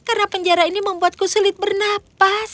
karena penjara ini membuatku sulit bernafas